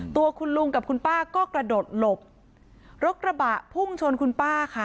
ตัวคุณลุงกับคุณป้าก็กระโดดหลบรถกระบะพุ่งชนคุณป้าค่ะ